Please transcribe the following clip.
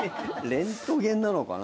レントゲンなのかな？